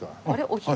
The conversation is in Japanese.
お昼。